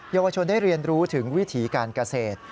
เยาวชนได้เรียนรู้ถึงวิถีการเกษตร